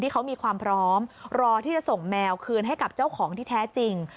เขามีความพร้อมรอที่จะส่งแมวคืนให้กับเจ้าของที่แท้จริง